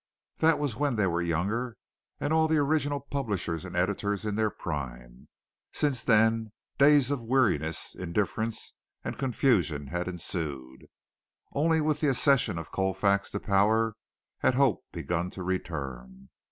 That was when they were younger, and the original publishers and editors in their prime. Since then days of weariness, indifference and confusion had ensued. Only with the accession of Colfax to power had hope begun to return.